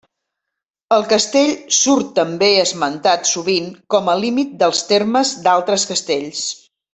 El castell surt també esmentat sovint com a límit dels termes d'altres castells.